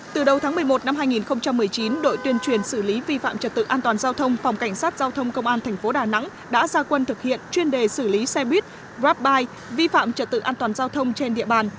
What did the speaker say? từ đầu tháng một mươi một năm hai nghìn một mươi chín đội tuyên truyền xử lý vi phạm trật tự an toàn giao thông phòng cảnh sát giao thông công an tp đà nẵng đã ra quân thực hiện chuyên đề xử lý xe buýt grabbuide vi phạm trật tự an toàn giao thông trên địa bàn